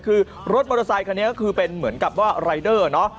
คือรถมอเตอร์ไซคันนี้ก็คือเป็นเหมือนกับว่ารายเดอร์เนอะ